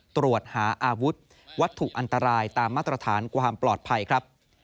ตรวจหาอาวุธวัตถุอันตรายตามมาตรฐานความปลอดภัยครับ